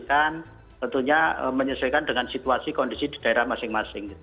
dan tentunya menyesuaikan dengan situasi kondisi di daerah masing masing